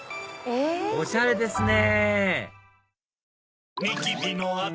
おしゃれですね！